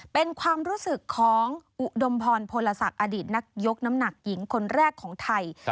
เป็นความรู้สึกของอุดมพรพลศักดิ์อดีตนักยกน้ำหนักหญิงคนแรกของไทย